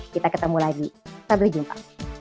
kita ketemu lagi sampai jumpa